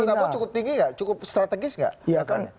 itu menurut pak prabowo cukup tinggi nggak cukup strategis nggak